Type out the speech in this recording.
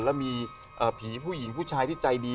แล้วมีผีผู้หญิงผู้ชายที่ใจดี